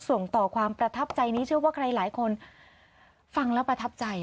ส่งต่อความประทับใจนี้เชื่อว่าใครหลายคนฟังแล้วประทับใจ